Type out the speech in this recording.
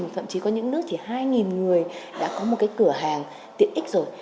thậm chí có những nước thì hai người đã có một cái cửa hàng tiện ích rồi